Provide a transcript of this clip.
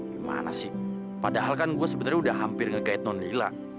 gimana sih padahal kan gue udah sebenernya hampir nge guide nonila